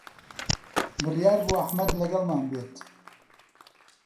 بڕیار بوو ئەحمەد لەگەڵمان بێت.